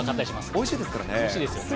おいしいですよね。